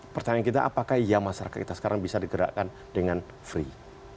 pertanyaan kita apakah iya masyarakat kita sekarang bisa digerakkan dengan free